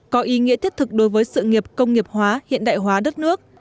có ý nghĩa thiết thực đối với sự nghiệp công nghiệp hóa hiện đại hóa đất nước